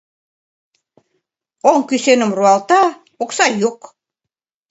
Оҥ кӱсеным руалта — окса йок!